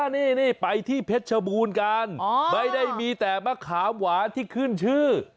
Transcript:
นี่ไปที่เพชรชบูรณ์กันไม่ได้มีแต่มะขามหวานที่ขึ้นชื่อ